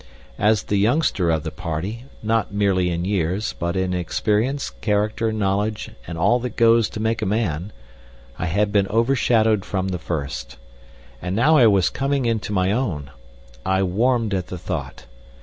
As the youngster of the party, not merely in years, but in experience, character, knowledge, and all that goes to make a man, I had been overshadowed from the first. And now I was coming into my own. I warmed at the thought.